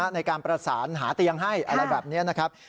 ในการประสานหาเตียงให้อะไรแบบนี้นะครับ